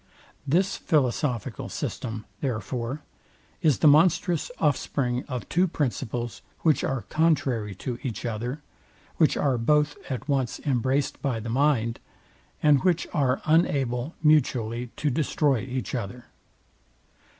This philosophical system, therefore, is the monstrous offspring of two principles, which are contrary to each other, which are both at once embraced by the mind, and which are unable mutually to destroy each other.